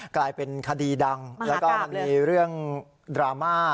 กลายเป็นคดีดังแล้วก็มันมีเรื่องดราม่า